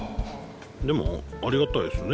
でもありがたいですね。